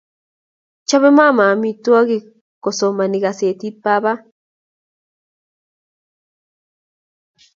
Chope mama amitwogik kosomani kasetit papa.